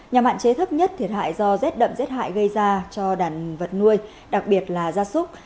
nhằm hạn chế thấp nhất thiệt hại do rét đậm rét hại gây ra cho đàn vật nuôi đặc biệt là gia súc